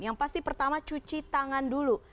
yang pasti pertama cuci tangan dulu